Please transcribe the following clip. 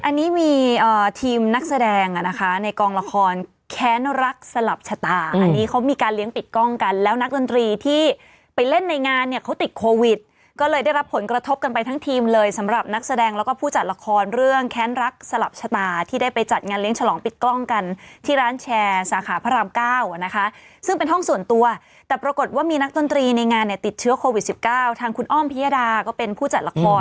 อันนี้มีทีมนักแสดงนะคะในกองละครแค้นรักสลับชะตาอันนี้เขามีการเลี้ยงปิดกล้องกันแล้วนักดนตรีที่ไปเล่นในงานเนี่ยเขาติดโควิดก็เลยได้รับผลกระทบกันไปทั้งทีมเลยสำหรับนักแสดงแล้วก็ผู้จัดละครเรื่องแค้นรักสลับชะตาที่ได้ไปจัดงานเลี้ยงฉลองปิดกล้องกันที่ร้านแชร์สาขาพระราม๙นะคะซึ่งเป็นห้